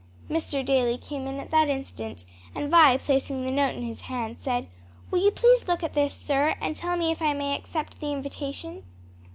Mr. Daly came in at that instant, and Vi, placing the note in his hand, said "Will you please to look at this, sir, and tell me if I may accept the invitation?"